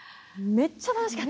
めっちゃ楽しかった。